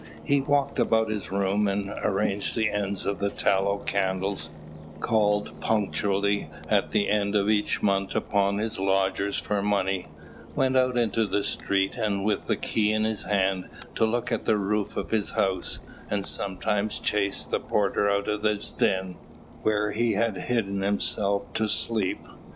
He walked about his room, and arranged the ends of the tallow candles; called punctually at the end of each month upon his lodgers for money; went out into the street, with the key in his hand, to look at the roof of his house, and sometimes chased the porter out of his den, where he had hidden himself to sleep.